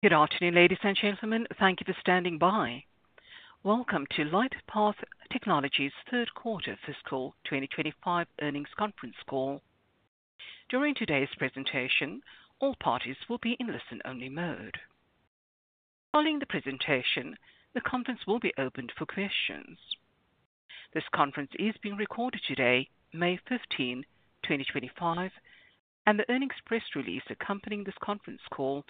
Good afternoon, ladies and gentlemen. Thank you for standing by. Welcome to LightPath Technologies' third quarter fiscal 2025 earnings conference call. During today's presentation, all parties will be in listen-only mode. Following the presentation, the conference will be open for questions. This conference is being recorded today, May 15, 2025, and the earnings press release accompanying this conference call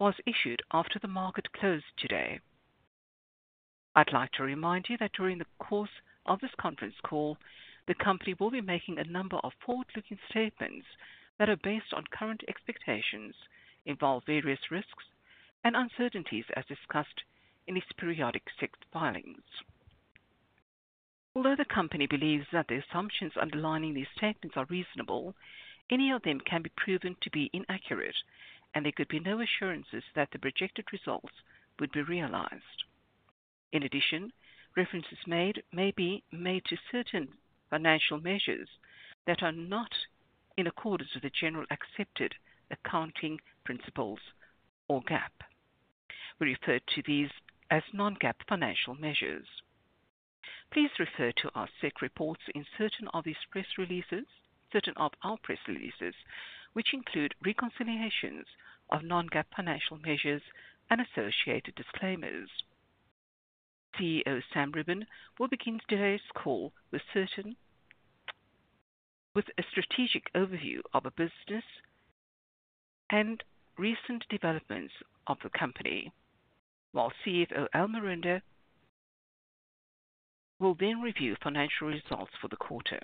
was issued after the market closed today. I'd like to remind you that during the course of this conference call, the company will be making a number of forward-looking statements that are based on current expectations, involve various risks, and uncertainties as discussed in its periodic SEC filings. Although the company believes that the assumptions underlying these statements are reasonable, any of them can be proven to be inaccurate, and there could be no assurances that the projected results would be realized. In addition, references may be made to certain financial measures that are not in accordance with the generally accepted accounting principles or GAAP. We refer to these as non-GAAP financial measures. Please refer to our SEC reports and certain of our press releases, which include reconciliations of non-GAAP financial measures and associated disclaimers. CEO Sam Rubin will begin today's call with a strategic overview of our business and recent developments of the company, while CFO Al Miranda will then review financial results for the quarter.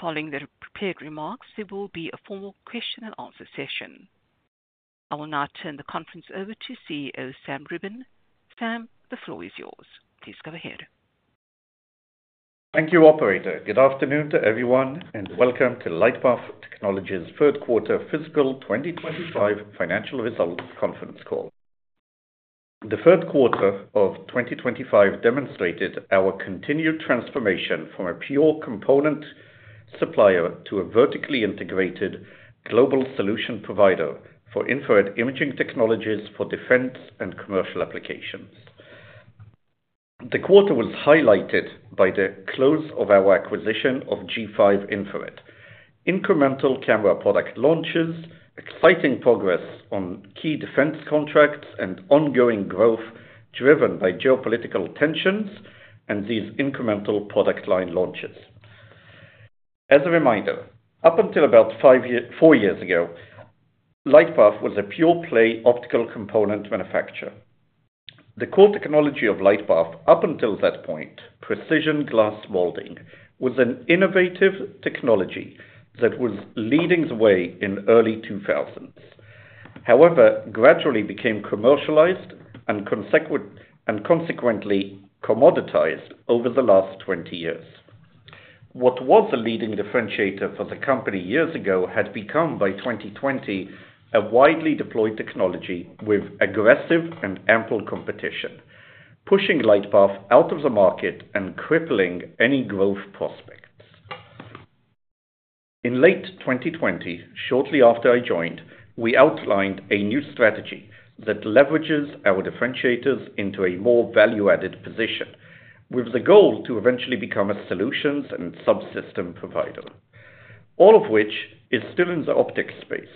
Following the prepared remarks, there will be a formal question-and-answer session. I will now turn the conference over to CEO Sam Rubin. Sam, the floor is yours. Please go ahead. Thank you, Operator. Good afternoon to everyone, and welcome to LightPath Technologies' third quarter fiscal 2025 financial results conference call. The third quarter of 2025 demonstrated our continued transformation from a pure component supplier to a vertically integrated global solution provider for infrared imaging technologies for defense and commercial applications. The quarter was highlighted by the close of our acquisition of G5 Infrared, incremental camera product launches, exciting progress on key defense contracts, and ongoing growth driven by geopolitical tensions and these incremental product line launches. As a reminder, up until about four years ago, LightPath was a pure-play optical component manufacturer. The core technology of LightPath up until that point, precision glass molding, was an innovative technology that was leading the way in the early 2000s. However, it gradually became commercialized and consequently commoditized over the last 20 years. What was a leading differentiator for the company years ago had become, by 2020, a widely deployed technology with aggressive and ample competition, pushing LightPath out of the market and crippling any growth prospects. In late 2020, shortly after I joined, we outlined a new strategy that leverages our differentiators into a more value-added position, with the goal to eventually become a solutions and subsystem provider, all of which is still in the optics space,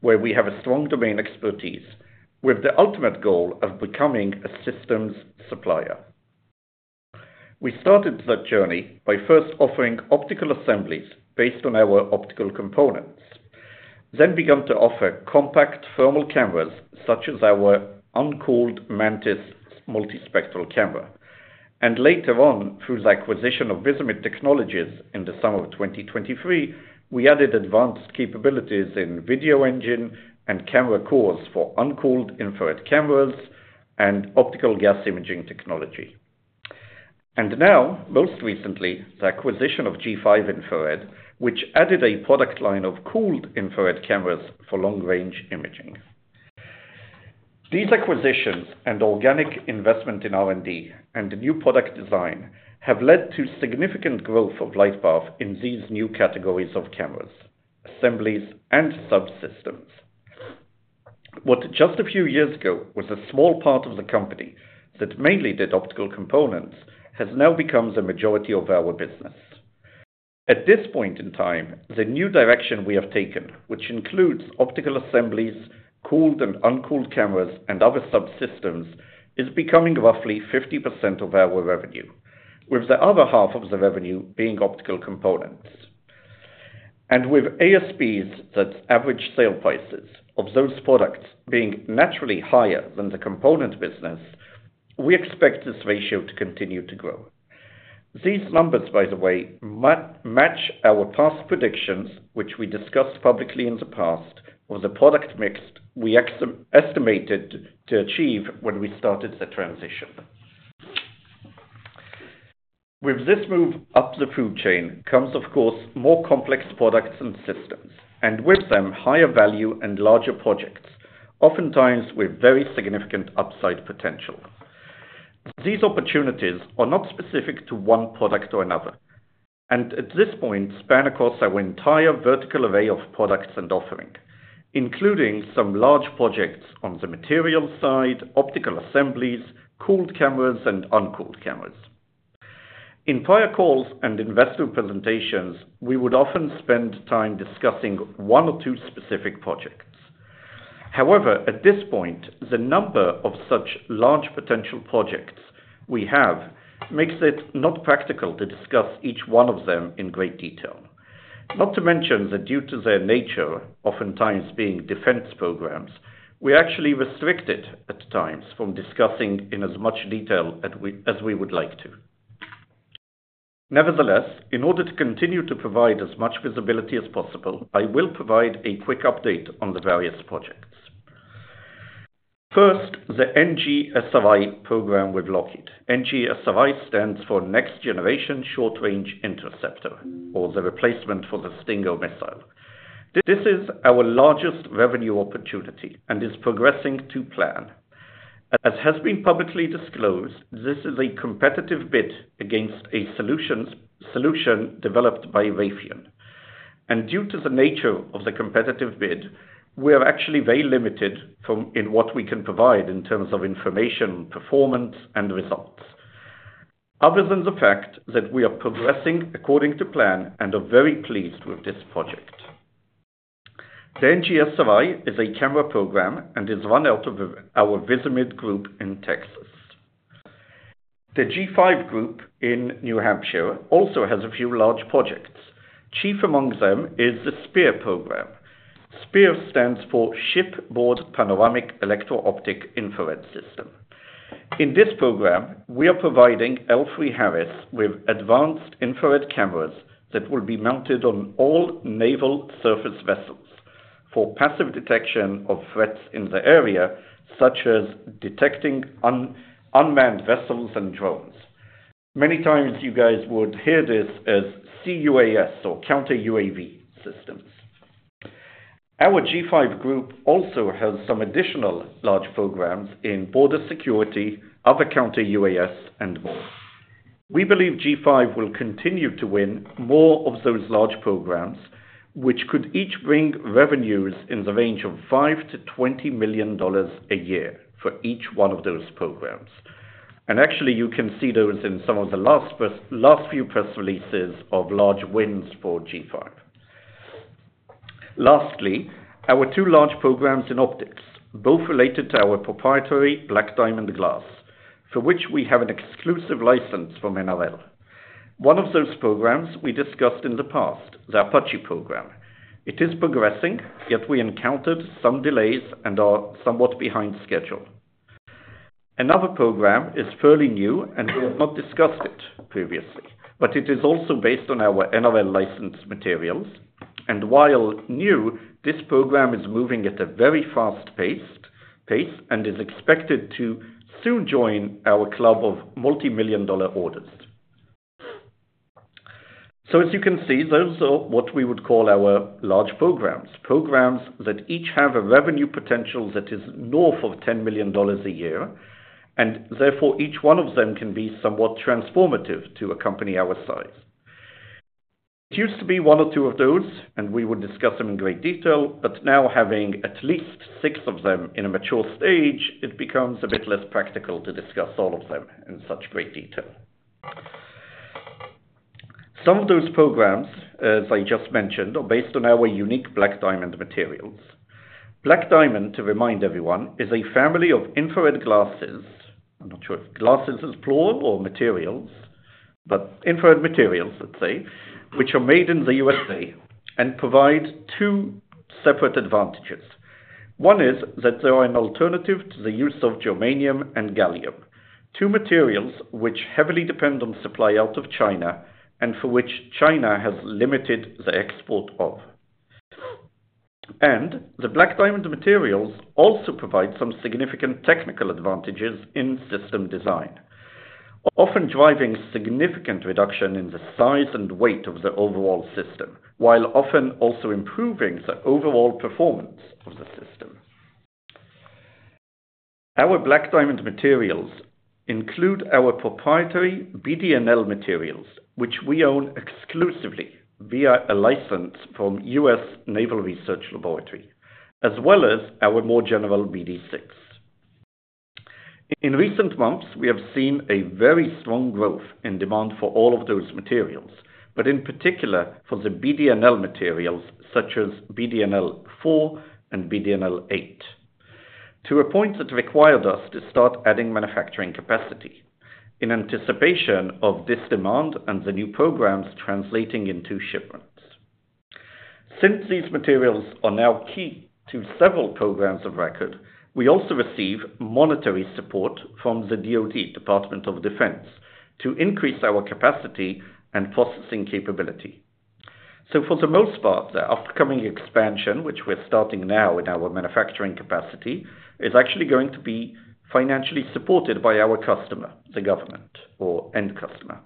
where we have a strong domain expertise, with the ultimate goal of becoming a systems supplier. We started that journey by first offering optical assemblies based on our optical components, then began to offer compact thermal cameras such as our uncooled Mantis multispectral camera. Later on, through the acquisition of Visimid Technologies in the summer of 2023, we added advanced capabilities in video engine and camera cores for uncooled infrared cameras and optical gas imaging technology. Most recently, the acquisition of G5 Infrared added a product line of cooled infrared cameras for long-range imaging. These acquisitions and organic investment in R&D and new product design have led to significant growth of LightPath in these new categories of cameras, assemblies, and subsystems. What just a few years ago was a small part of the company that mainly did optical components has now become the majority of our business. At this point in time, the new direction we have taken, which includes optical assemblies, cooled and uncooled cameras, and other subsystems, is becoming roughly 50% of our revenue, with the other half of the revenue being optical components. With ASPs, that's average sale prices of those products, being naturally higher than the component business, we expect this ratio to continue to grow. These numbers, by the way, match our past predictions, which we discussed publicly in the past, of the product mix we estimated to achieve when we started the transition. With this move up the food chain comes, of course, more complex products and systems, and with them, higher value and larger projects, oftentimes with very significant upside potential. These opportunities are not specific to one product or another, and at this point, span across our entire vertical array of products and offering, including some large projects on the material side, optical assemblies, cooled cameras, and uncooled cameras. In prior calls and investor presentations, we would often spend time discussing one or two specific projects. However, at this point, the number of such large potential projects we have makes it not practical to discuss each one of them in great detail, not to mention that due to their nature, oftentimes being defense programs, we're actually restricted at times from discussing in as much detail as we would like to. Nevertheless, in order to continue to provide as much visibility as possible, I will provide a quick update on the various projects. First, the NGSRI program with Lockheed. NGSRI stands for Next Generation Short Range Interceptor, or the replacement for the Stinger missile. This is our largest revenue opportunity and is progressing to plan. As has been publicly disclosed, this is a competitive bid against a solution developed by Raytheon. Due to the nature of the competitive bid, we are actually very limited in what we can provide in terms of information, performance, and results, other than the fact that we are progressing according to plan and are very pleased with this project. The NGSRI is a camera program and is run out of our Visimid group in Texas. The G5 group in New Hampshire also has a few large projects. Chief among them is the SPEIR program. SPEIR stands for Shipboard Panoramic Electro-Optic Infrared System. In this program, we are providing L3 Harris with advanced infrared cameras that will be mounted on all naval surface vessels for passive detection of threats in the area, such as detecting unmanned vessels and drones. Many times, you guys would hear this as C-UAS or Counter-UAS systems. Our G5 group also has some additional large programs in border security, other Counter-UAS, and more. We believe G5 will continue to win more of those large programs, which could each bring revenues in the range of $5 million-$20 million a year for each one of those programs. You can see those in some of the last few press releases of large wins for G5. Lastly, our two large programs in optics, both related to our proprietary BlackDiamond glass, for which we have an exclusive license from NRL. One of those programs we discussed in the past, the Apache program. It is progressing, yet we encountered some delays and are somewhat behind schedule. Another program is fairly new, and we have not discussed it previously, but it is also based on our NRL license materials. While new, this program is moving at a very fast pace and is expected to soon join our club of multi-million dollar orders. As you can see, those are what we would call our large programs, programs that each have a revenue potential that is north of $10 million a year, and therefore each one of them can be somewhat transformative to a company our size. It used to be one or two of those, and we would discuss them in great detail, but now having at least six of them in a mature stage, it becomes a bit less practical to discuss all of them in such great detail. Some of those programs, as I just mentioned, are based on our unique BlackDiamond materials. BlackDiamond, to remind everyone, is a family of infrared glasses. I'm not sure if glasses is plural or materials, but infrared materials, let's say, which are made in the U.S.A. and provide two separate advantages. One is that they are an alternative to the use of Germanium and Gallium, two materials which heavily depend on supply out of China and for which China has limited the export of. The BlackDiamond materials also provide some significant technical advantages in system design, often driving significant reduction in the size and weight of the overall system, while often also improving the overall performance of the system. Our BlackDiamond materials include our proprietary BDNL materials, which we own exclusively via a license from U.S. Naval Research Laboratory, as well as our more general BD6. In recent months, we have seen a very strong growth in demand for all of those materials, but in particular for the BDNL materials such as BDNL-4 and BDNL-8, to a point that required us to start adding manufacturing capacity in anticipation of this demand and the new programs translating into shipments. Since these materials are now key to several programs of record, we also receive monetary support from the DOD, Department of Defense, to increase our capacity and processing capability. For the most part, the upcoming expansion, which we're starting now in our manufacturing capacity, is actually going to be financially supported by our customer, the government or end customer.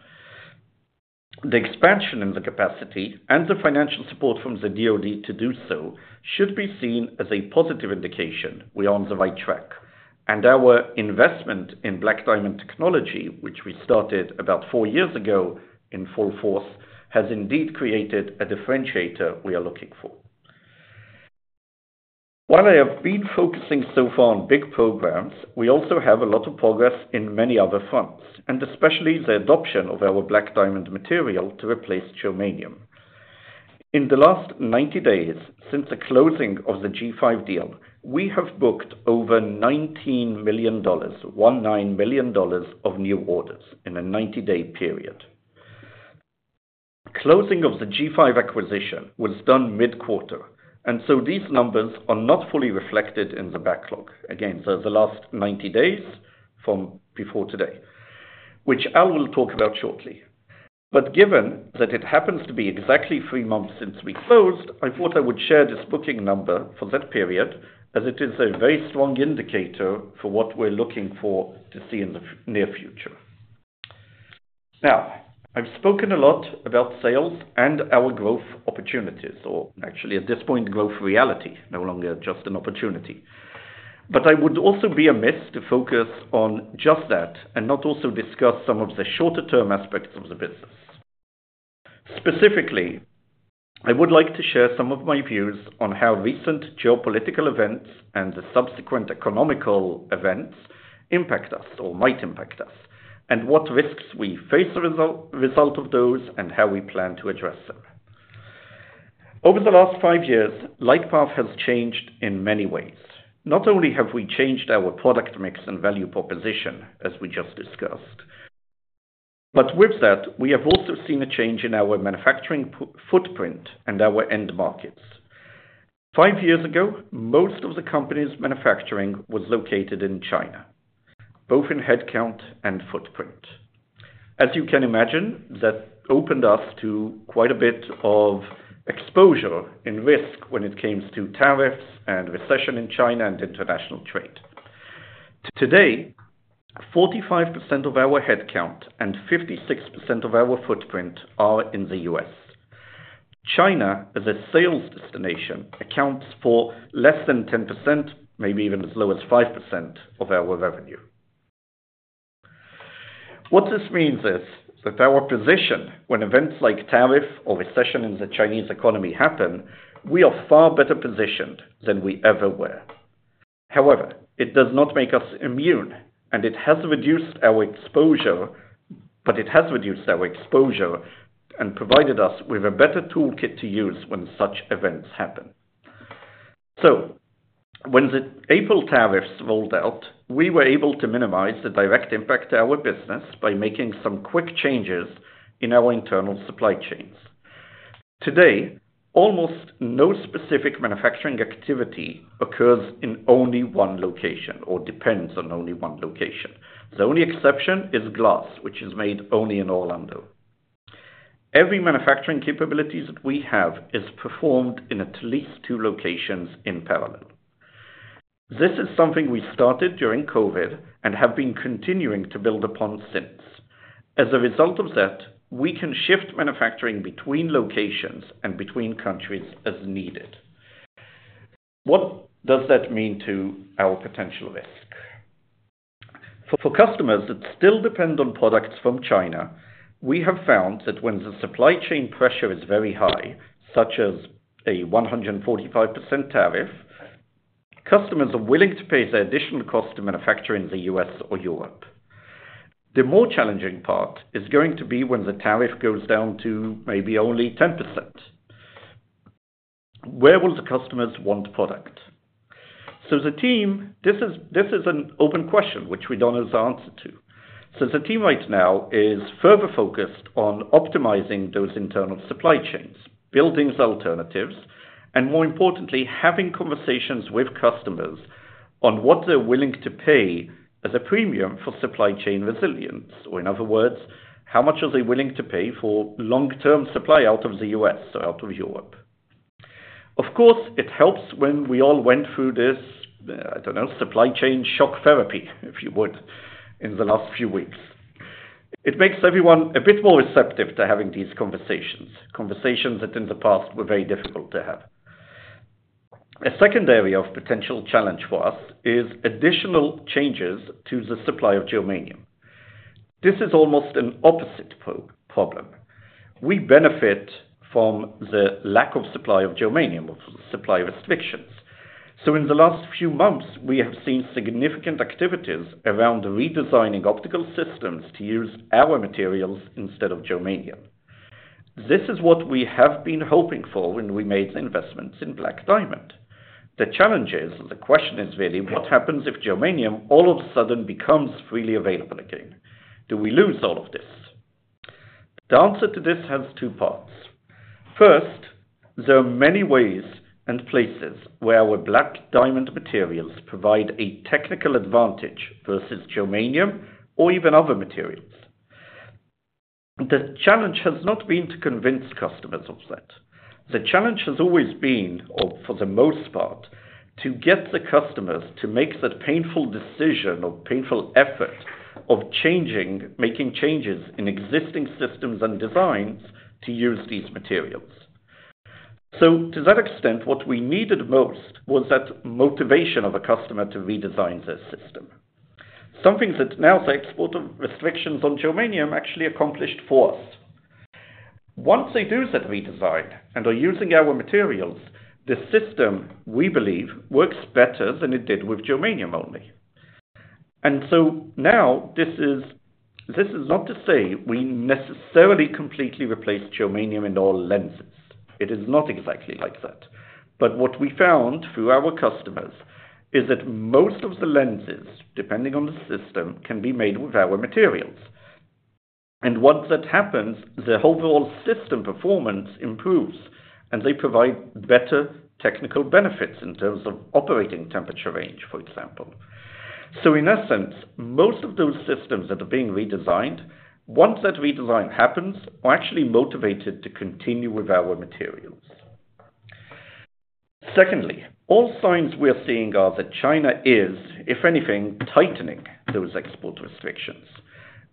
The expansion in the capacity and the financial support from the DOD to do so should be seen as a positive indication we are on the right track. Our investment in BlackDiamond technology, which we started about four years ago in full force, has indeed created a differentiator we are looking for. While I have been focusing so far on big programs, we also have a lot of progress in many other fronts, and especially the adoption of our BlackDiamond material to replace Germanium. In the last 90 days since the closing of the G5 deal, we have booked over $19 million, $19 million of new orders in a 90-day period. Closing of the G5 acquisition was done mid-quarter, and so these numbers are not fully reflected in the backlog. Again, the last 90 days from before today, which Al will talk about shortly. Given that it happens to be exactly three months since we closed, I thought I would share this booking number for that period, as it is a very strong indicator for what we're looking for to see in the near future. I've spoken a lot about sales and our growth opportunities, or actually at this point, growth reality, no longer just an opportunity. I would also be amiss to focus on just that and not also discuss some of the shorter-term aspects of the business. Specifically, I would like to share some of my views on how recent geopolitical events and the subsequent economical events impact us or might impact us, and what risks we face as a result of those and how we plan to address them. Over the last five years, LightPath has changed in many ways. Not only have we changed our product mix and value proposition, as we just discussed, but with that, we have also seen a change in our manufacturing footprint and our end markets. Five years ago, most of the company's manufacturing was located in China, both in headcount and footprint. As you can imagine, that opened us to quite a bit of exposure and risk when it comes to tariffs and recession in China and international trade. Today, 45% of our headcount and 56% of our footprint are in the U.S. China, as a sales destination, accounts for less than 10%, maybe even as low as 5% of our revenue. What this means is that our position, when events like tariff or recession in the Chinese economy happen, we are far better positioned than we ever were. However, it does not make us immune, and it has reduced our exposure, but it has reduced our exposure and provided us with a better toolkit to use when such events happen. When the April tariffs rolled out, we were able to minimize the direct impact to our business by making some quick changes in our internal supply chains. Today, almost no specific manufacturing activity occurs in only one location or depends on only one location. The only exception is glass, which is made only in Orlando. Every manufacturing capability that we have is performed in at least two locations in parallel. This is something we started during COVID and have been continuing to build upon since. As a result of that, we can shift manufacturing between locations and between countries as needed. What does that mean to our potential risk? For customers that still depend on products from China, we have found that when the supply chain pressure is very high, such as a 145% tariff, customers are willing to pay the additional cost to manufacture in the U.S. or Europe. The more challenging part is going to be when the tariff goes down to maybe only 10%. Where will the customers want product? As a team, this is an open question which we do not know the answer to. As a team right now, it is further focused on optimizing those internal supply chains, building alternatives, and more importantly, having conversations with customers on what they are willing to pay as a premium for supply chain resilience, or in other words, how much are they willing to pay for long-term supply out of the U.S. or out of Europe? Of course, it helps when we all went through this, I don't know, supply chain shock therapy, if you would, in the last few weeks. It makes everyone a bit more receptive to having these conversations, conversations that in the past were very difficult to have. A second area of potential challenge for us is additional changes to the supply of Germanium. This is almost an opposite problem. We benefit from the lack of supply of Germanium or supply restrictions. In the last few months, we have seen significant activities around redesigning optical systems to use our materials instead of Germanium. This is what we have been hoping for when we made the investments in BlackDiamond. The challenge is, the question is really, what happens if Germanium all of a sudden becomes freely available again? Do we lose all of this? The answer to this has two parts. First, there are many ways and places where our BlackDiamond materials provide a technical advantage versus Germanium or even other materials. The challenge has not been to convince customers of that. The challenge has always been, or for the most part, to get the customers to make that painful decision or painful effort of changing, making changes in existing systems and designs to use these materials. To that extent, what we needed most was that motivation of a customer to redesign their system. Something that now's export restrictions on Germanium actually accomplished for us. Once they do that redesign and are using our materials, the system, we believe, works better than it did with Germanium only. This is not to say we necessarily completely replace Germanium in all lenses. It is not exactly like that. What we found through our customers is that most of the lenses, depending on the system, can be made with our materials. Once that happens, the overall system performance improves, and they provide better technical benefits in terms of operating temperature range, for example. In essence, most of those systems that are being redesigned, once that redesign happens, are actually motivated to continue with our materials. Secondly, all signs we're seeing are that China is, if anything, tightening those export restrictions.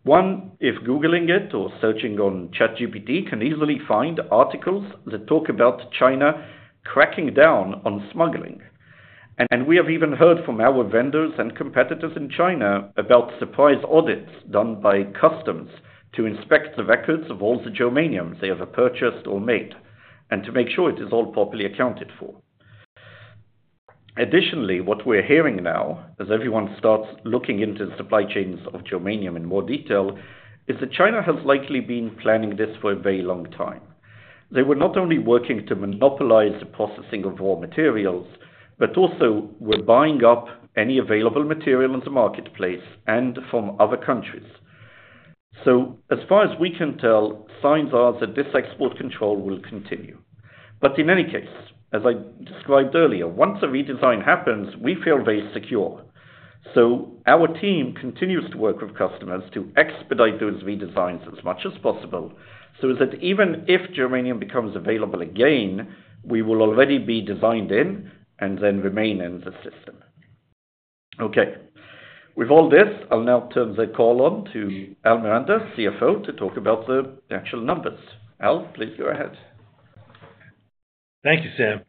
One, if Googling it or searching on ChatGPT, can easily find articles that talk about China cracking down on smuggling. We have even heard from our vendors and competitors in China about surprise audits done by customs to inspect the records of all the germaniums they have purchased or made and to make sure it is all properly accounted for. Additionally, what we're hearing now, as everyone starts looking into the supply chains of germanium in more detail, is that China has likely been planning this for a very long time. They were not only working to monopolize the processing of raw materials, but also were buying up any available material in the marketplace and from other countries. As far as we can tell, signs are that this export control will continue. In any case, as I described earlier, once a redesign happens, we feel very secure. Our team continues to work with customers to expedite those redesigns as much as possible so that even if germanium becomes available again, we will already be designed in and then remain in the system. Okay. With all this, I'll now turn the call on to Al Miranda, CFO, to talk about the actual numbers. Al, please go ahead. Thank you, Sam.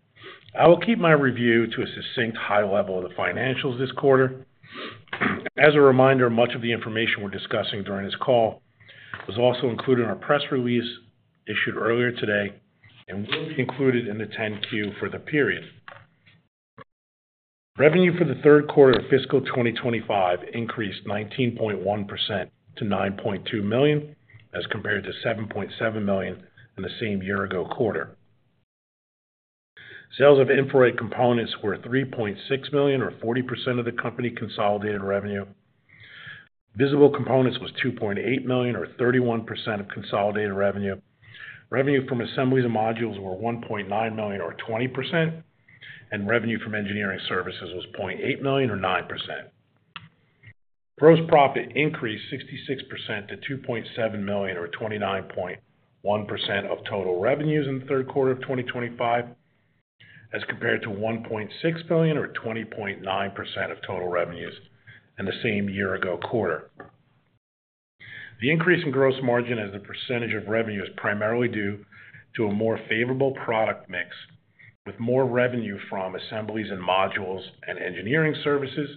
I will keep my review to a succinct high level of the financials this quarter. As a reminder, much of the information we're discussing during this call was also included in our press release issued earlier today and will be included in the 10-Q for the period. Revenue for the third quarter of fiscal 2025 increased 19.1% to $9.2 million as compared to $7.7 million in the same year-ago quarter. Sales of infrared components were $3.6 million, or 40% of the company consolidated revenue. Visible components was $2.8 million, or 31% of consolidated revenue. Revenue from assemblies and modules were $1.9 million, or 20%, and revenue from engineering services was $0.8 million, or 9%. Gross profit increased 66% to $2.7 million, or 29.1% of total revenues in the third quarter of 2025, as compared to $1.6 million, or 20.9% of total revenues in the same year-ago quarter. The increase in gross margin as a percentage of revenue is primarily due to a more favorable product mix with more revenue from assemblies and modules and engineering services,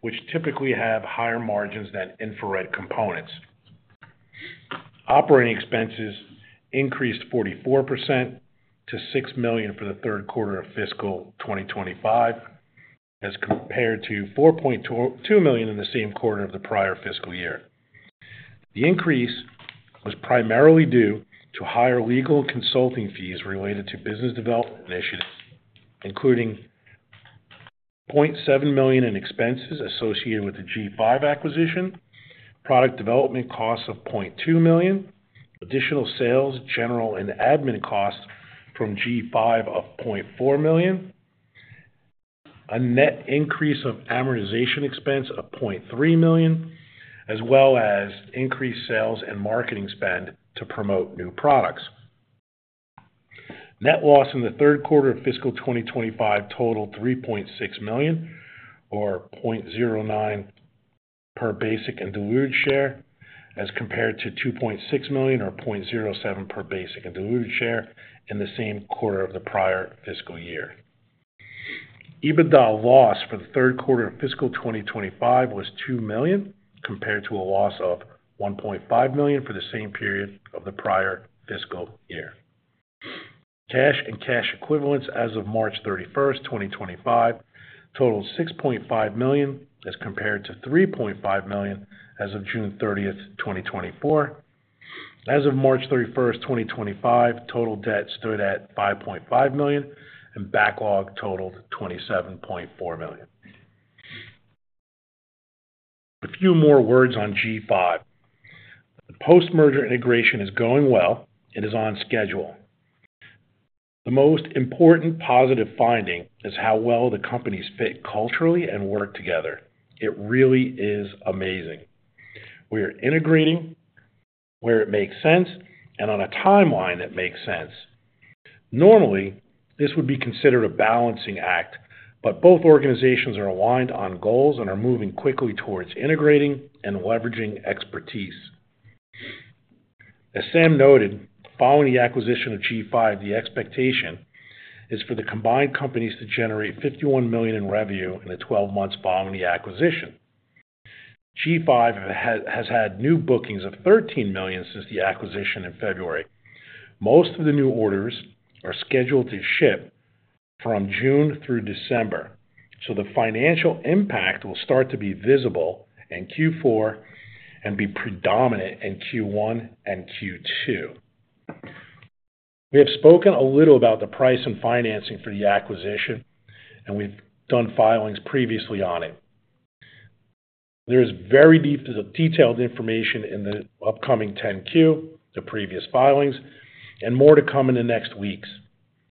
which typically have higher margins than infrared components. Operating expenses increased 44% to $6 million for the third quarter of fiscal 2025, as compared to $4.2 million in the same quarter of the prior fiscal year. The increase was primarily due to higher legal consulting fees related to business development initiatives, including $0.7 million in expenses associated with the G5 acquisition, product development costs of $0.2 million, additional sales, general, and admin costs from G5 of $0.4 million, a net increase of amortization expense of $0.3 million, as well as increased sales and marketing spend to promote new products. Net loss in the third quarter of fiscal 2025 totaled $3.6 million, or $0.09 per basic and diluted share, as compared to $2.6 million, or $0.07 per basic and diluted share in the same quarter of the prior fiscal year. EBITDA loss for the third quarter of fiscal 2025 was $2 million compared to a loss of $1.5 million for the same period of the prior fiscal year. Cash and cash equivalents as of March 31, 2025, totaled $6.5 million, as compared to $3.5 million as of June 30th, 2024. As of March 31st, 2025, total debt stood at $5.5 million, and backlog totaled $27.4 million. A few more words on G5. Post-merger integration is going well. It is on schedule. The most important positive finding is how well the companies fit culturally and work together. It really is amazing. We are integrating where it makes sense and on a timeline that makes sense. Normally, this would be considered a balancing act, but both organizations are aligned on goals and are moving quickly towards integrating and leveraging expertise. As Sam noted, following the acquisition of G5, the expectation is for the combined companies to generate $51 million in revenue in the 12 months following the acquisition. G5 has had new bookings of $13 million since the acquisition in February. Most of the new orders are scheduled to ship from June through December, so the financial impact will start to be visible in Q4 and be predominant in Q1 and Q2. We have spoken a little about the price and financing for the acquisition, and we've done filings previously on it. There is very detailed information in the upcoming 10-Q, the previous filings, and more to come in the next weeks.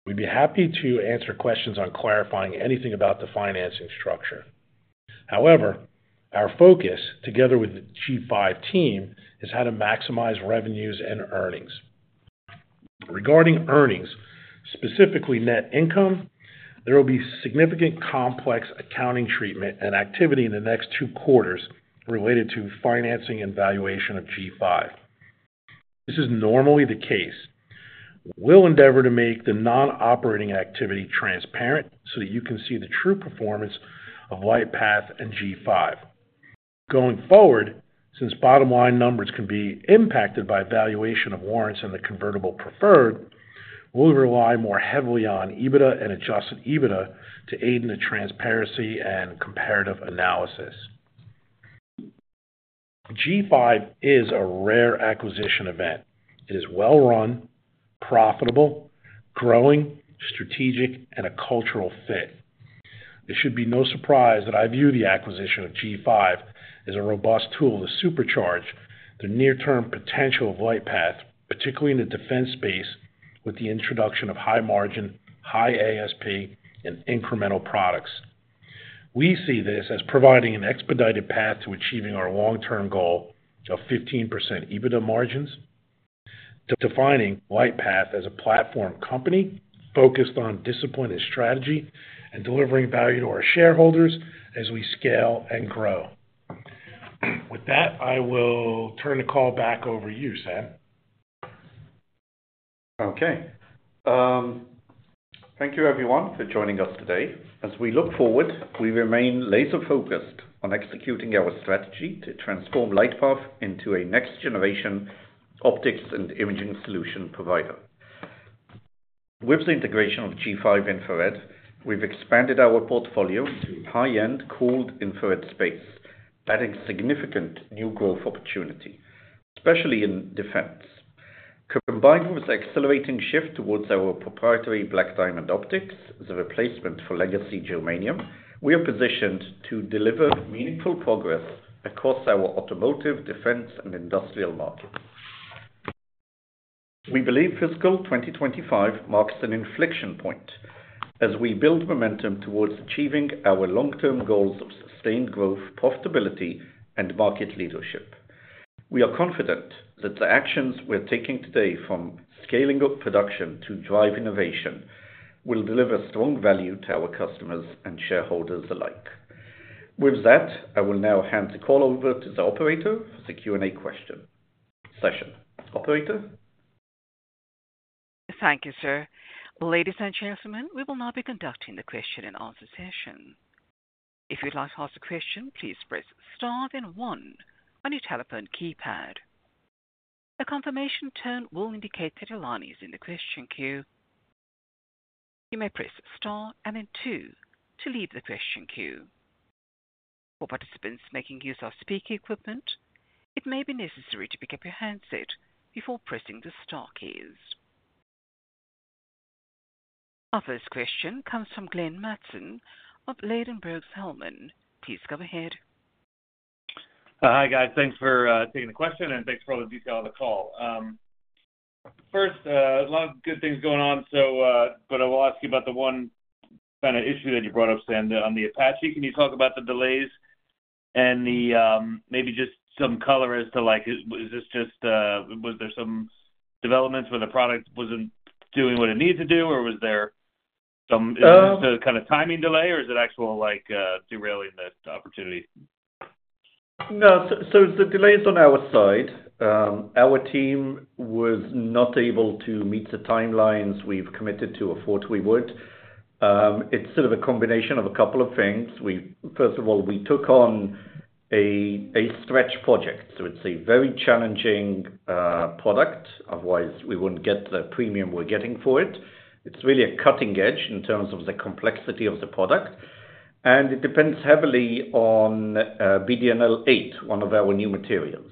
We'd be happy to answer questions on clarifying anything about the financing structure. However, our focus, together with the G5 team, is how to maximize revenues and earnings. Regarding earnings, specifically net income, there will be significant complex accounting treatment and activity in the next two quarters related to financing and valuation of G5. This is normally the case. We'll endeavor to make the non-operating activity transparent so that you can see the true performance of LightPath and G5. Going forward, since bottom-line numbers can be impacted by valuation of warrants and the convertible preferred, we'll rely more heavily on EBITDA and adjusted EBITDA to aid in the transparency and comparative analysis. G5 is a rare acquisition event. It is well-run, profitable, growing, strategic, and a cultural fit. It should be no surprise that I view the acquisition of G5 as a robust tool to supercharge the near-term potential of LightPath, particularly in the defense space with the introduction of high margin, high ASP, and incremental products. We see this as providing an expedited path to achieving our long-term goal of 15% EBITDA margins, defining LightPath as a platform company focused on discipline and strategy and delivering value to our shareholders as we scale and grow. With that, I will turn the call back over to you, Sam. Okay. Thank you, everyone, for joining us today. As we look forward, we remain laser-focused on executing our strategy to transform LightPath into a next-generation optics and imaging solution provider. With the integration of G5 Infrared, we've expanded our portfolio to high-end cooled infrared space, adding significant new growth opportunity, especially in defense. Combined with the accelerating shift towards our proprietary BlackDiamond optics as a replacement for legacy Germanium, we are positioned to deliver meaningful progress across our automotive, defense, and industrial markets. We believe fiscal 2025 marks an inflection point as we build momentum towards achieving our long-term goals of sustained growth, profitability, and market leadership. We are confident that the actions we're taking today, from scaling up production to drive innovation, will deliver strong value to our customers and shareholders alike. With that, I will now hand the call over to the operator for the Q&A question session. Operator. Thank you, sir. Ladies and gentlemen, we will now be conducting the question-and-answer session. If you'd like to ask a question, please press star then one on your telephone keypad. A confirmation tone will indicate that your line is in the question queue. You may press star and then two to leave the question queue. For participants making use of speaker equipment, it may be necessary to pick up your handset before pressing the star keys. Our first question comes from Glenn Mattson of Ladenburg Thalmann. Please come ahead. Hi, guys. Thanks for taking the question, and thanks for all the detail on the call. First, a lot of good things going on, but I will ask you about the one kind of issue that you brought up, Sam, on the Apache. Can you talk about the delays and maybe just some color as to, is this just, was there some developments where the product wasn't doing what it needed to do, or was there some kind of timing delay, or is it actual derailing the opportunity? No. So the delay is on our side. Our team was not able to meet the timelines we've committed to afford we would. It's sort of a combination of a couple of things. First of all, we took on a stretch project. It's a very challenging product. Otherwise, we wouldn't get the premium we're getting for it. It's really cutting edge in terms of the complexity of the product, and it depends heavily on BDNL-8, one of our new materials.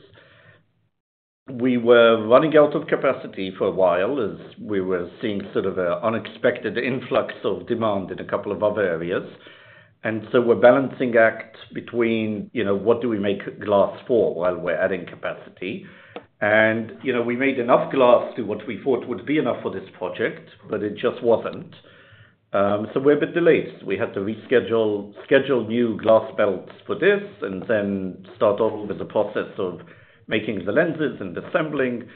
We were running out of capacity for a while as we were seeing sort of an unexpected influx of demand in a couple of other areas. We're balancing act between, what do we make glass for while we're adding capacity? We made enough glass to what we thought would be enough for this project, but it just wasn't. We're a bit delayed. We had to reschedule new glass belts for this and then start all with the process of making the lenses and assembling.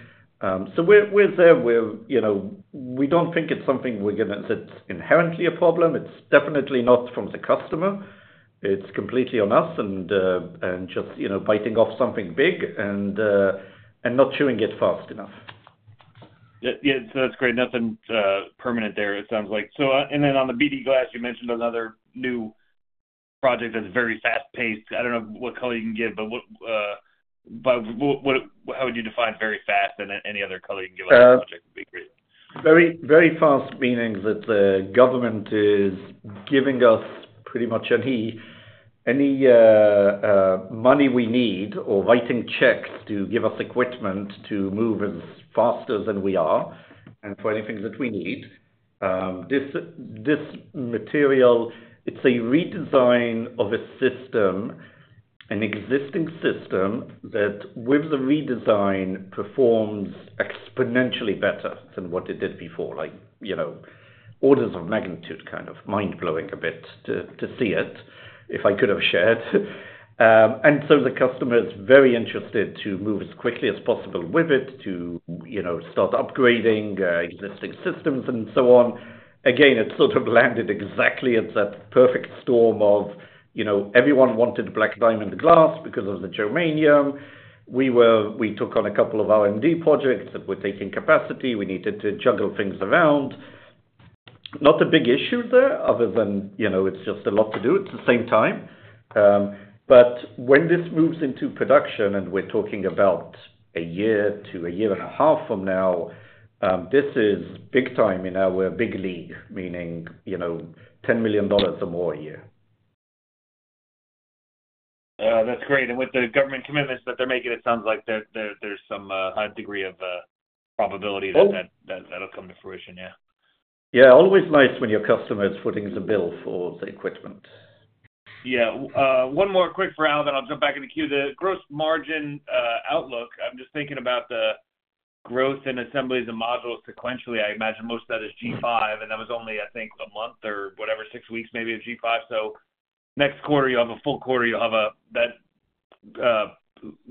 We are there where we do not think it is something we are going to—it is inherently a problem. It is definitely not from the customer. It is completely on us and just biting off something big and not chewing it fast enough. Yeah. That is great. Nothing permanent there, it sounds like. On the BD glass, you mentioned another new project that is very fast-paced. I do not know what color you can give, but how would you define very fast? Any other color you can give on the project would be great. Very fast meaning that the government is giving us pretty much any money we need or writing checks to give us equipment to move as fast as we are and for anything that we need. This material, it's a redesign of a system, an existing system that, with the redesign, performs exponentially better than what it did before. Orders of magnitude kind of mind-blowing a bit to see it, if I could have shared. The customer is very interested to move as quickly as possible with it, to start upgrading existing systems and so on. Again, it sort of landed exactly at that perfect storm of everyone wanted BlackDiamond glass because of the Germanium. We took on a couple of R&D projects that were taking capacity. We needed to juggle things around. Not a big issue there other than it's just a lot to do at the same time. When this moves into production and we're talking about a year to a year and a half from now, this is big time in our big league, meaning $10 million or more a year. That's great. With the government commitments that they're making, it sounds like there's some high degree of probability that'll come to fruition. Yeah. Yeah. Always nice when your customer is footing the bill for the equipment. Yeah. One more quick round, then I'll jump back into queue. The gross margin outlook, I'm just thinking about the growth in assemblies and modules sequentially. I imagine most of that is G5, and that was only, I think, a month or whatever, six weeks maybe of G5. Next quarter, you'll have a full quarter, you'll have that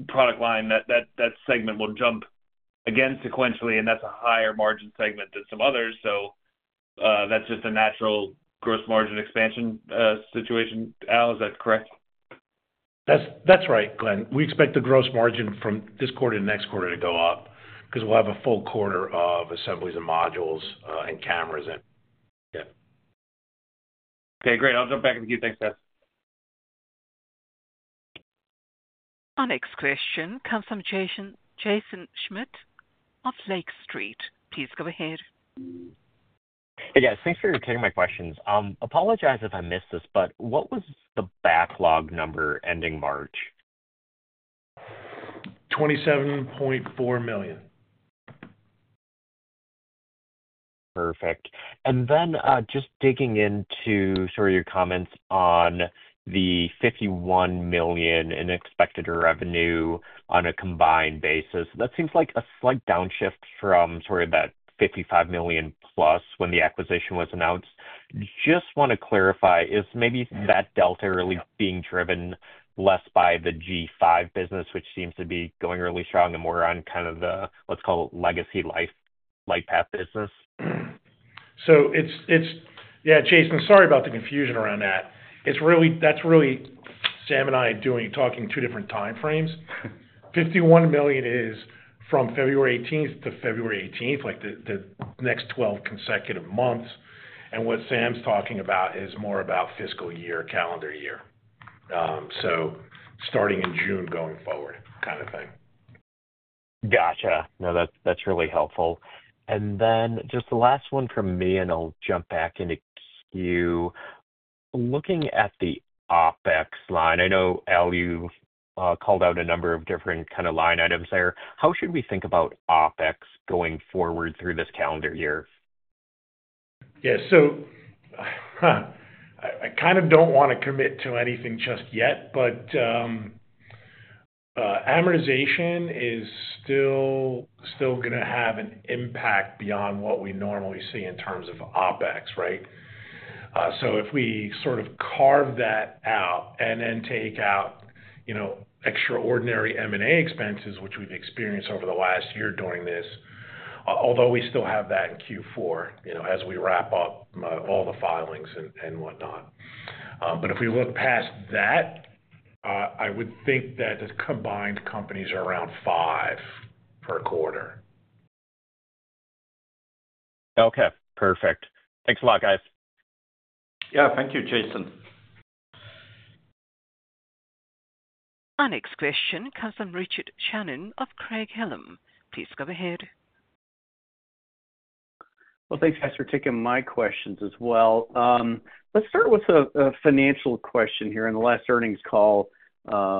product line, that segment will jump again sequentially, and that's a higher margin segment than some others. That's just a natural gross margin expansion situation. Al, is that correct? That's right, Glenn. We expect the gross margin from this quarter to next quarter to go up because we'll have a full quarter of assemblies and modules and cameras in. Yeah. Okay. Great. I'll jump back into queue. Thanks, guys. Our next question comes from Jaeson Schmidt of Lake Street. Please go ahead. Hey, guys. Thanks for taking my questions. Apologize if I missed this, but what was the backlog number ending March? $27.4 million. Perfect. And then just digging into sort of your comments on the $51 million in expected revenue on a combined basis, that seems like a slight downshift from sort of that $55 million plus when the acquisition was announced. Just want to clarify, is maybe that delta really being driven less by the G5 business, which seems to be going really strong and more on kind of the, let's call it, legacy LightPath business? Yeah, Jaeson, sorry about the confusion around that. That's really Sam and I talking two different time frames. $51 million is from February 18th to February 18th, the next 12 consecutive months. What Sam's talking about is more about fiscal year, calendar year. Starting in June going forward kind of thing. Gotcha. No, that's really helpful. And then just the last one from me, and I'll jump back into queue. Looking at the OpEx line, I know, Al, you called out a number of different kind of line items there. How should we think about OpEx going forward through this calendar year? Yeah. I kind of don't want to commit to anything just yet, but amortization is still going to have an impact beyond what we normally see in terms of OpEx, right? If we sort of carve that out and then take out extraordinary M&A expenses, which we've experienced over the last year doing this, although we still have that in Q4 as we wrap up all the filings and whatnot. If we look past that, I would think that the combined companies are around $5 million per quarter. Okay. Perfect. Thanks a lot, guys. Yeah. Thank you, Jaeson. Our next question comes from Richard Shannon of Craig-Hallum. Please go ahead. Thanks, guys, for taking my questions as well. Let's start with a financial question here. In the last earnings call, I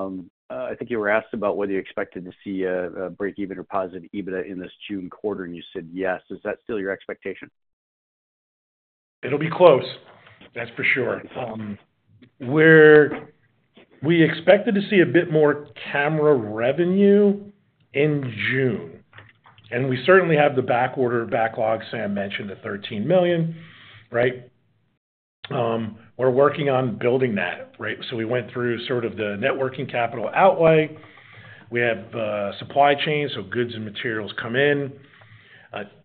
think you were asked about whether you expected to see a break-even or positive EBITDA in this June quarter, and you said yes. Is that still your expectation? It'll be close, that's for sure. We expected to see a bit more camera revenue in June, and we certainly have the backorder backlog Sam mentioned, the $13 million, right? We're working on building that, right? We went through sort of the networking capital outlay. We have supply chain, so goods and materials come in.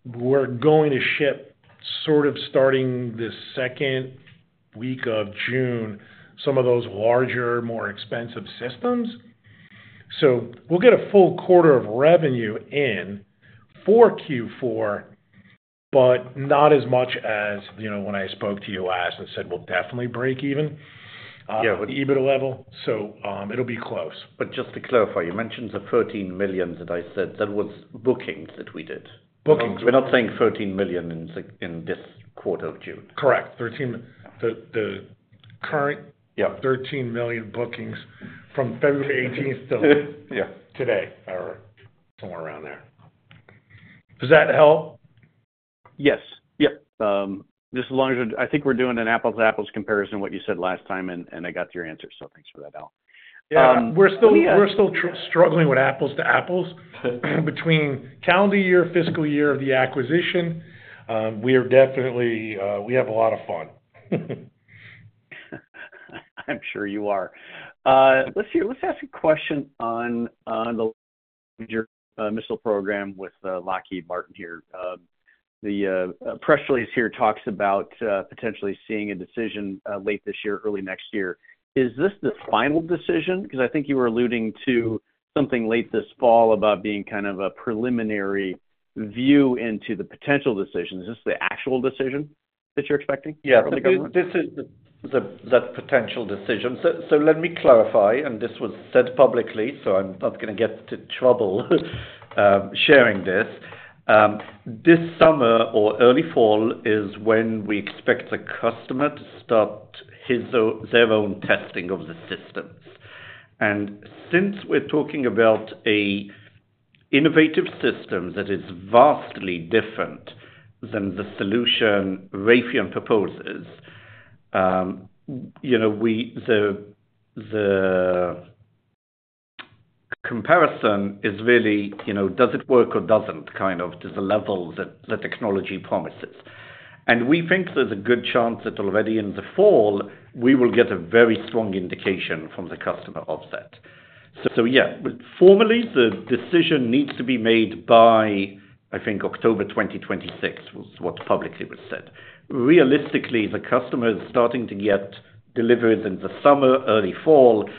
We're going to ship starting the second week of June some of those larger, more expensive systems. We'll get a full quarter of revenue in for Q4, but not as much as when I spoke to you last and said we'll definitely break even at the EBITDA level. It'll be close. Just to clarify, you mentioned the $13 million that I said. That was bookings that we did. Bookings. We're not saying $13 million in this quarter of June. Correct. The current $13 million bookings from February 18th till today, or somewhere around there. Does that help? Yes. Yeah. Just as long as I think we're doing an apples-to-apples comparison to what you said last time, and I got your answer. Thanks for that, Al. Yeah. We're still struggling with apples-to-apples between calendar year, fiscal year of the acquisition. We have a lot of fun. I'm sure you are. Let's see. Let's ask a question on the missile program with Lockheed Martin here. The press release here talks about potentially seeing a decision late this year, early next year. Is this the final decision? Because I think you were alluding to something late this fall about being kind of a preliminary view into the potential decision. Is this the actual decision that you're expecting from the government? Yeah. This is the potential decision. Let me clarify, and this was said publicly, so I'm not going to get into trouble sharing this. This summer or early fall is when we expect the customer to start their own testing of the systems. Since we're talking about an innovative system that is vastly different than the solution Raytheon proposes, the comparison is really, does it work or doesn't, kind of to the level that the technology promises. We think there's a good chance that already in the fall, we will get a very strong indication from the customer of that. Yeah, formally, the decision needs to be made by, I think, October 2026 was what publicly was said. Realistically, the customer is starting to get deliveries in the summer, early fall,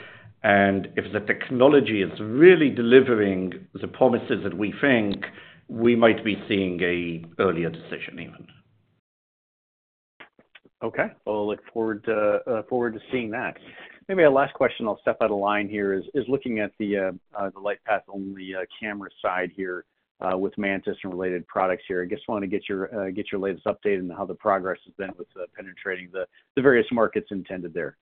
and if the technology is really delivering the promises that we think, we might be seeing an earlier decision even. Okay. I look forward to seeing that. Maybe our last question, I'll step out of line here, is looking at the LightPath-only camera side here with Mantis and related products here. I just want to get your latest update on how the progress has been with penetrating the various markets intended there.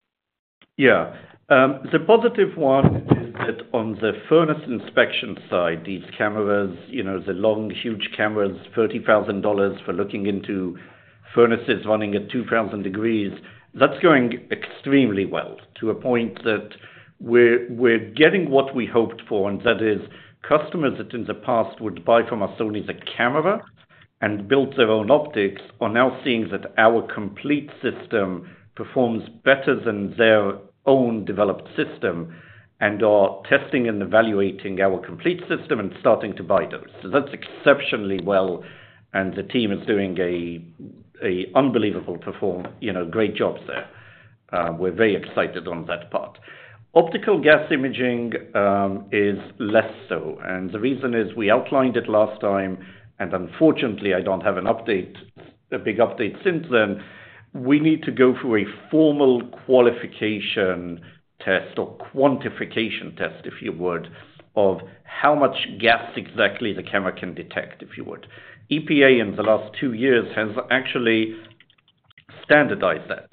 Yeah. The positive one is that on the furnace inspection side, these cameras, the long, huge cameras, $30,000 for looking into furnaces running at 2,000 degrees, that's going extremely well to a point that we're getting what we hoped for, and that is customers that in the past would buy from us only the camera and build their own optics are now seeing that our complete system performs better than their own developed system and are testing and evaluating our complete system and starting to buy those. That's exceptionally well, and the team is doing an unbelievable great job there. We're very excited on that part. Optical gas imaging is less so. The reason is we outlined it last time, and unfortunately, I don't have a big update since then. We need to go for a formal qualification test or quantification test, if you would, of how much gas exactly the camera can detect, if you would. EPA in the last two years has actually standardized that.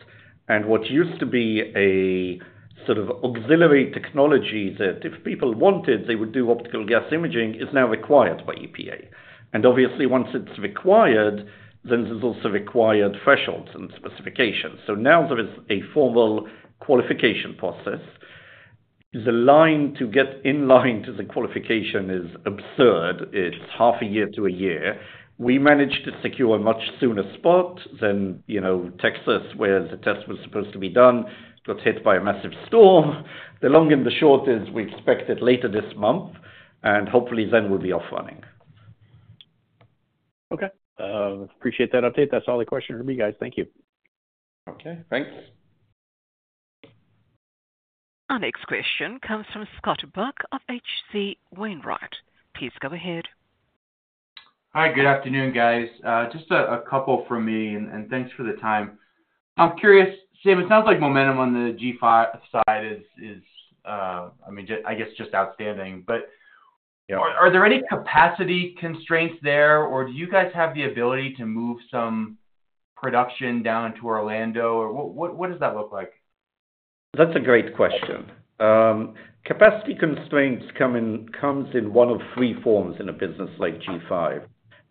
What used to be a sort of auxiliary technology that if people wanted, they would do optical gas imaging is now required by EPA. Obviously, once it is required, then there are also required thresholds and specifications. Now there is a formal qualification process. The line to get in line to the qualification is absurd. It is half a year to a year. We managed to secure a much sooner spot than Texas where the test was supposed to be done. It was hit by a massive storm. The long and the short is we expect it later this month, and hopefully, then we will be off-running. Okay. Appreciate that update. That's all the questions from me, guys. Thank you. Okay. Thanks. Our next question comes from Scott Buck of H.C.Wainwright. Please go ahead. Hi. Good afternoon, guys. Just a couple from me, and thanks for the time. I'm curious, Sam, it sounds like momentum on the G5 side is, I mean, I guess, just outstanding. But are there any capacity constraints there, or do you guys have the ability to move some production down to Orlando? What does that look like? That's a great question. Capacity constraints comes in one of three forms in a business like G5.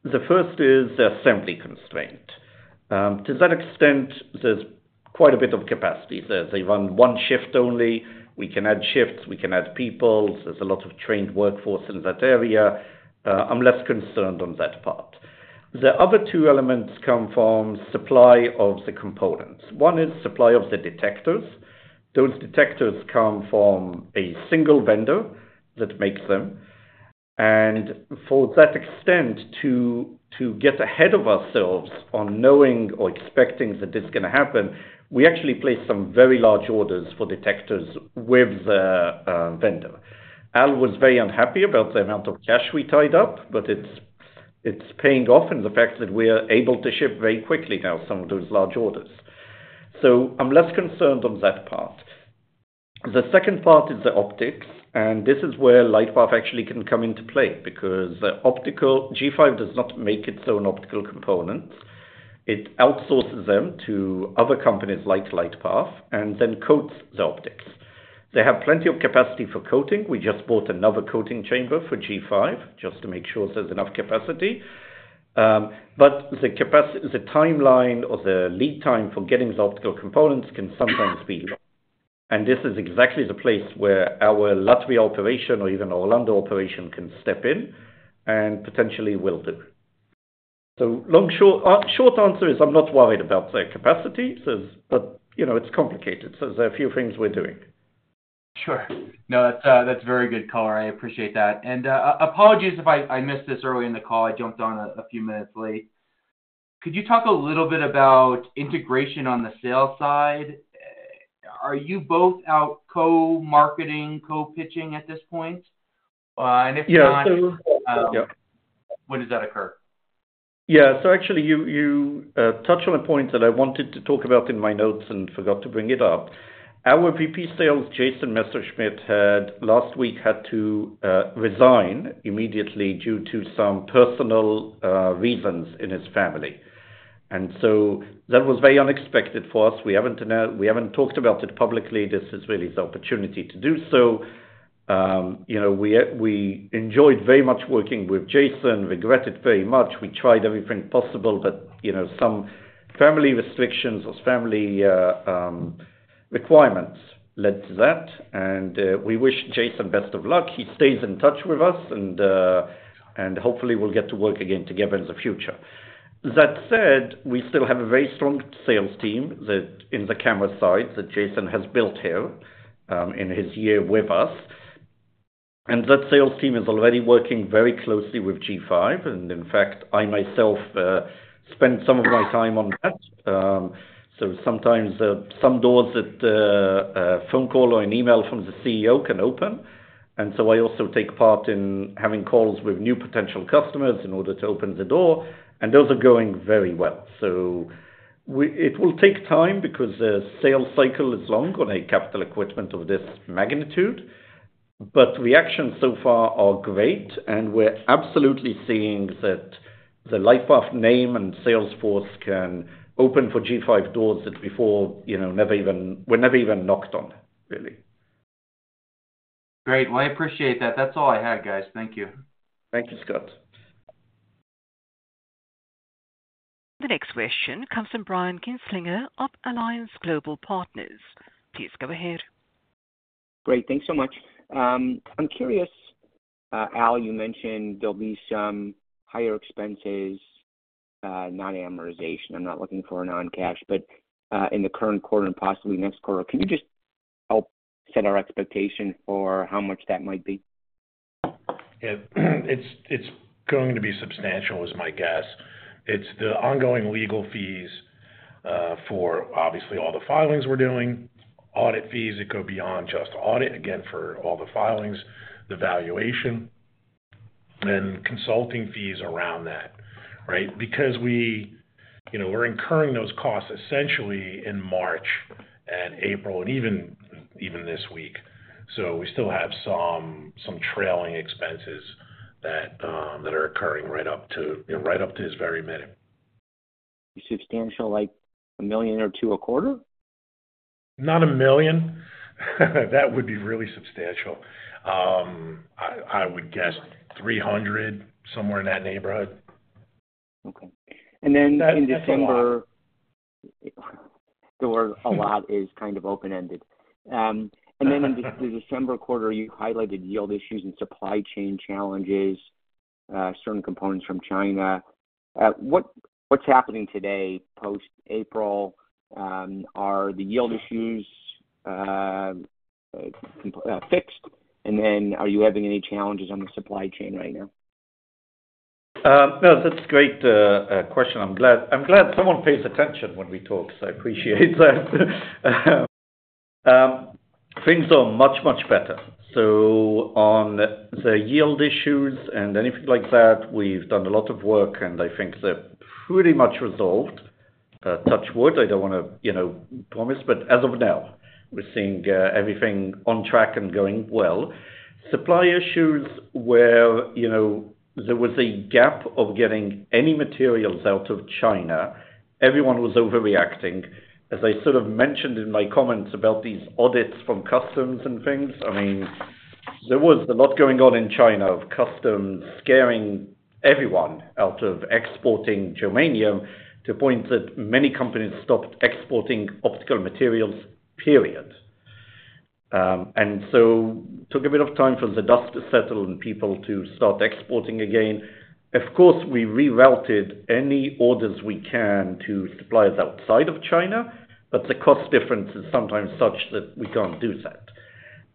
The first is assembly constraint. To that extent, there's quite a bit of capacity. They run one shift only. We can add shifts. We can add people. There's a lot of trained workforce in that area. I'm less concerned on that part. The other two elements come from supply of the components. One is supply of the detectors. Those detectors come from a single vendor that makes them. For that extent, to get ahead of ourselves on knowing or expecting that this is going to happen, we actually place some very large orders for detectors with the vendor. Al was very unhappy about the amount of cash we tied up, but it's paying off in the fact that we're able to ship very quickly now some of those large orders. I'm less concerned on that part. The second part is the optics, and this is where LightPath actually can come into play because G5 does not make its own optical components. It outsources them to other companies like LightPath and then coats the optics. They have plenty of capacity for coating. We just bought another coating chamber for G5 just to make sure there's enough capacity. The timeline or the lead time for getting the optical components can sometimes be long. This is exactly the place where our Latvia operation or even Orlando operation can step in and potentially will do. Short answer is I'm not worried about the capacity, but it's complicated. There are a few things we're doing. Sure. No, that's very good, Colin. I appreciate that. Apologies if I missed this early in the call. I jumped on a few minutes late. Could you talk a little bit about integration on the sales side? Are you both out co-marketing, co-pitching at this point? If not, yeah. So yeah. When does that occur? Yeah. Actually, you touched on a point that I wanted to talk about in my notes and forgot to bring it up. Our VP Sales, Jason Messerschmidt, last week had to resign immediately due to some personal reasons in his family. That was very unexpected for us. We haven't talked about it publicly. This is really the opportunity to do so. We enjoyed very much working with Jason, regret it very much. We tried everything possible, but some family restrictions or family requirements led to that. We wish Jason best of luck. He stays in touch with us, and hopefully, we'll get to work again together in the future. That said, we still have a very strong sales team in the camera side that Jason has built here in his year with us. That sales team is already working very closely with G5. In fact, I myself spend some of my time on that. Sometimes some doors that a phone call or an email from the CEO can open. I also take part in having calls with new potential customers in order to open the door. Those are going very well. It will take time because the sales cycle is long on a capital equipment of this magnitude. Reactions so far are great, and we're absolutely seeing that the LightPath name and Salesforce can open for G5 doors that before were never even knocked on, really. Great. I appreciate that. That's all I had, guys. Thank you. Thank you, Scott. The next question comes from Brian Kinstlinger of Alliance Global Partners. Please go ahead. Great. Thanks so much. I'm curious, Al, you mentioned there'll be some higher expenses, non-amortization. I'm not looking for a non-cash, but in the current quarter and possibly next quarter, can you just help set our expectation for how much that might be? It's going to be substantial, is my guess. It's the ongoing legal fees for, obviously, all the filings we're doing, audit fees that go beyond just audit, again, for all the filings, the valuation, and consulting fees around that, right? Because we're incurring those costs essentially in March and April and even this week. We still have some trailing expenses that are occurring right up to this very minute. Is substantial like a million or two a quarter? Not a million. That would be really substantial. I would guess $300,000, somewhere in that neighborhood. Okay. And then in December. That's a lot. A lot is kind of open-ended. In the December quarter, you highlighted yield issues and supply chain challenges, certain components from China. What's happening today post-April? Are the yield issues fixed? Are you having any challenges on the supply chain right now? No, that's a great question. I'm glad someone pays attention when we talk, so I appreciate that. Things are much, much better. On the yield issues and anything like that, we've done a lot of work, and I think they're pretty much resolved. Touch wood. I don't want to promise. As of now, we're seeing everything on track and going well. Supply issues where there was a gap of getting any materials out of China, everyone was overreacting. As I sort of mentioned in my comments about these audits from customs and things, I mean, there was a lot going on in China of customs scaring everyone out of exporting germanium to the point that many companies stopped exporting optical materials, period. It took a bit of time for the dust to settle and people to start exporting again. Of course, we rerouted any orders we can to suppliers outside of China, but the cost difference is sometimes such that we can't do that.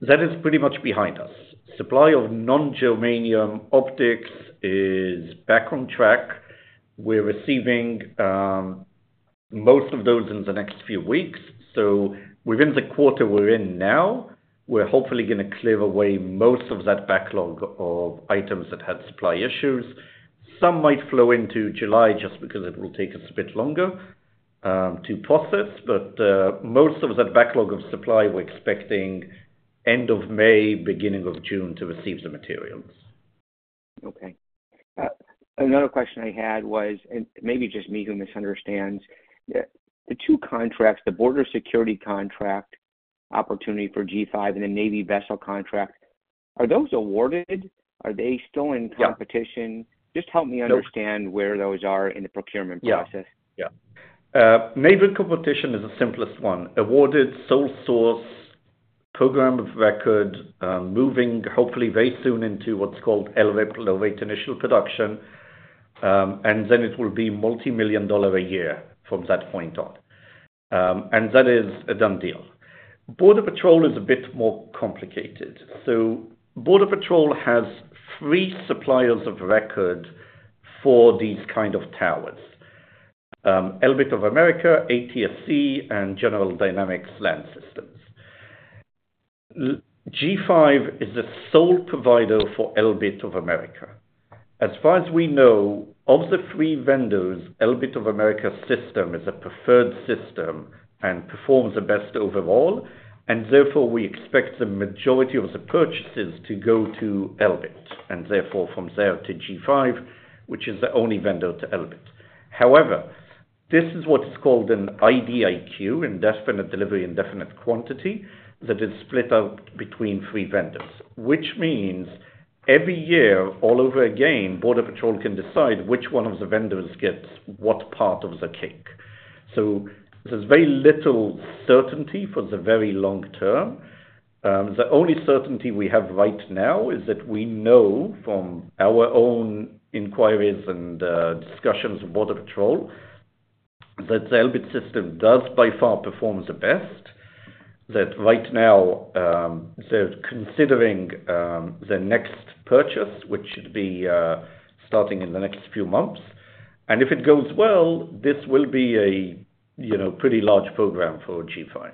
That is pretty much behind us. Supply of non-Germanium optics is back on track. We're receiving most of those in the next few weeks. Within the quarter we're in now, we're hopefully going to clear away most of that backlog of items that had supply issues. Some might flow into July just because it will take us a bit longer to process. Most of that backlog of supply we're expecting end of May, beginning of June to receive the materials. Okay. Another question I had was, and maybe just me who misunderstands, the two contracts, the border security contract opportunity for G5 and the Navy vessel contract, are those awarded? Are they still in competition? Just help me understand where those are in the procurement process. Yeah. Naval competition is the simplest one. Awarded, sole source, program of record, moving hopefully very soon into what's called elevate initial production. It will be multi-million dollar a year from that point on. That is a done deal. Border patrol is a bit more complicated. Border patrol has three suppliers of record for these kind of towers: Elbit Systems of America, ATSC, and General Dynamics Land Systems. G5 Infrared is the sole provider for Elbit Systems of America. As far as we know, of the three vendors, Elbit of America system is a preferred system and performs the best overall. Therefore, we expect the majority of the purchases to go to Elbit, and therefore from there to G5, which is the only vendor to Elbit. However, this is what is called an IDIQ, indefinite delivery, indefinite quantity, that is split out between three vendors, which means every year, all over again, border patrol can decide which one of the vendors gets what part of the cake. There is very little certainty for the very long term. The only certainty we have right now is that we know from our own inquiries and discussions with border patrol that the Elbit system does by far perform the best. Right now, they're considering the next purchase, which should be starting in the next few months. If it goes well, this will be a pretty large program for G5.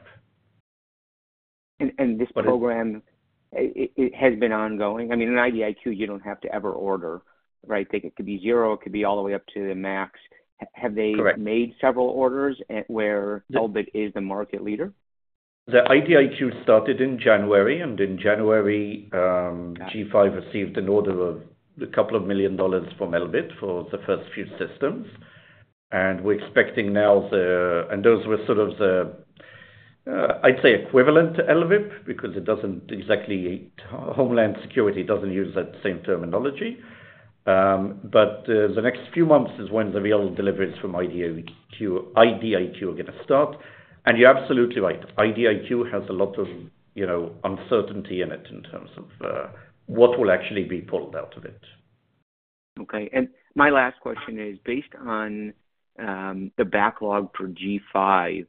This program, it has been ongoing? I mean, an IDIQ, you don't have to ever order, right? It could be zero. It could be all the way up to the max. Have they made several orders where Elbit is the market leader? The IDIQ started in January, and in January, G5 received an order of a couple of million dollars from Elbit for the first few systems. We're expecting now the—and those were sort of the, I'd say, equivalent to Elbit because it doesn't exactly—Homeland Security doesn't use that same terminology. The next few months is when the real deliveries from IDIQ are going to start. You're absolutely right. IDIQ has a lot of uncertainty in it in terms of what will actually be pulled out of it. Okay. My last question is, based on the backlog for G5,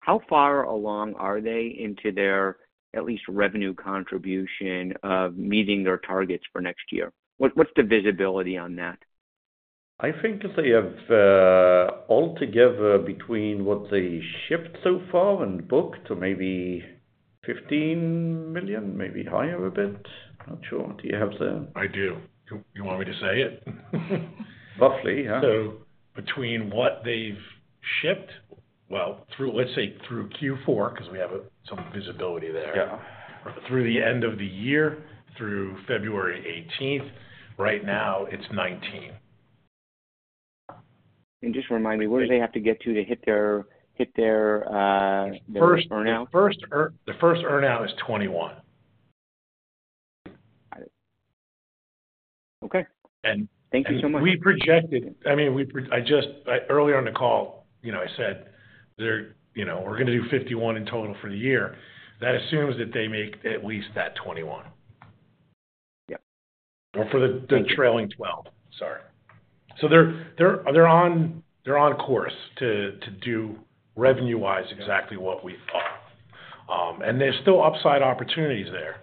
how far along are they into their at least revenue contribution of meeting their targets for next year? What's the visibility on that? I think they have altogether between what they shipped so far and booked to maybe $15 million, maybe higher a bit. Not sure. Do you have the— I do. You want me to say it? Roughly, yeah. Between what they've shipped, let's say through Q4, because we have some visibility there, through the end of the year, through February 18, right now, it's 19. Just remind me, where do they have to get to to hit their first earnout? The first earnout is 21. Got it. Thank you so much. We projected—I mean, earlier in the call, I said we're going to do 51 in total for the year. That assumes that they make at least that 21. Or for the trailing 12. Sorry. They're on course to do revenue-wise exactly what we thought. There's still upside opportunities there.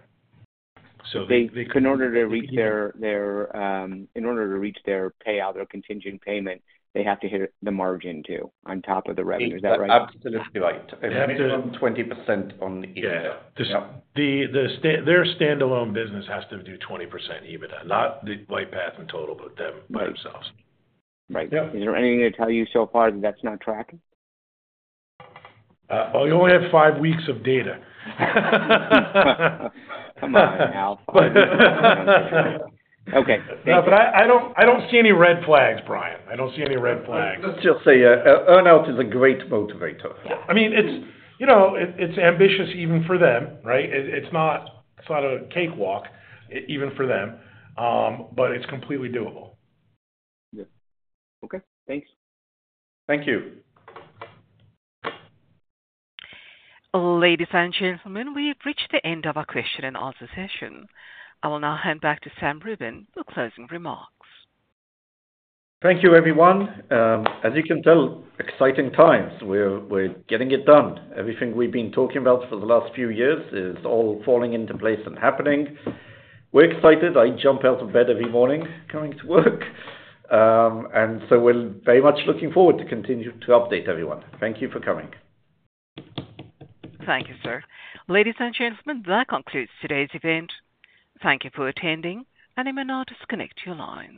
They can, in order to reach their payout, their contingent payment, they have to hit the margin too on top of the revenue. Is that right? Absolutely right. They have to—20% on EBITDA. Yeah. Their standalone business has to do 20% EBITDA, not the LightPath in total, but them themselves. Right. Is there anything to tell you so far that that's not tracking? You only have five weeks of data. Come on, Al. Five weeks. Okay. Thank you. I don't see any red flags, Brian. I don't see any red flags. Let's just say earnout is a great motivator. I mean, it's ambitious even for them, right? It's not a cakewalk even for them, but it's completely doable. Yeah. Okay. Thanks. Thank you. Ladies and gentlemen, we have reached the end of our question and answer session. I will now hand back to Sam Rubin for closing remarks. Thank you, everyone. As you can tell, exciting times. We're getting it done. Everything we've been talking about for the last few years is all falling into place and happening. We're excited. I jump out of bed every morning coming to work. We are very much looking forward to continue to update everyone. Thank you for coming. Thank you, sir. Ladies and gentlemen, that concludes today's event. Thank you for attending, and you may now disconnect your line.